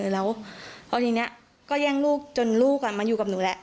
แล้วพอทีนี้ก็แย่งลูกจนลูกมาอยู่กับหนูแหละ